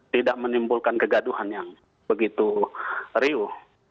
tidak menimbulkan kegaduhan yang begitu riuh